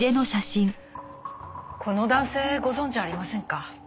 この男性ご存じありませんか？